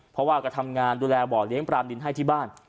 เพราะว่าก็ทำงานดูแลบ่อเลี้ยงปลามดินให้ที่บ้าน